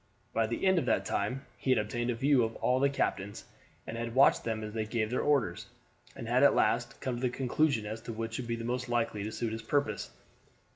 By the end of that time he had obtained a view of all the captains, and had watched them as they gave their orders, and had at last come to the conclusion as to which would be the most likely to suit his purpose.